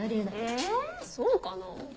えそうかな？